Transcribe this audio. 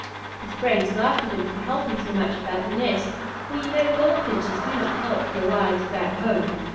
His friends laughed at him for helping so much about the nest, for, you know, Goldfinches do not often help their wives about home.